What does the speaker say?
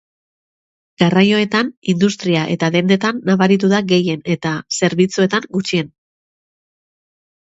Garraioetan, industria eta dendetan nabaritu da gehien eta, zerbitzuetan gutxien.